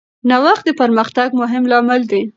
نوښت د پرمختګ مهم لامل دی.